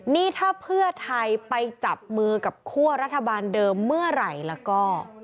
นี่ถ้าเพื่อไทยไปจับมือกับคั่วรัฐบาลเดิมเมื่อไหร่แล้วก็